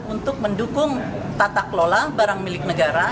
untuk mendukung tata kelola barang milik negara